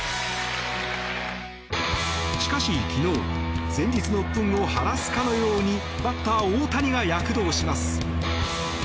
しかし、昨日、前日のうっ憤を晴らすかのようにバッター大谷が躍動します。